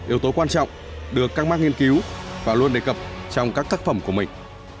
yếu tố quan trọng được các mark nghiên cứu và luôn đề cập trong các tác phẩm của mình